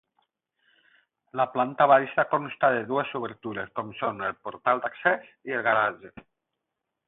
La planta baixa consta de dues obertures, com són el portal d’accés i el garatge.